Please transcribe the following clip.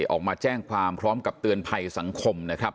ออกมาแจ้งความพร้อมกับเตือนภัยสังคมนะครับ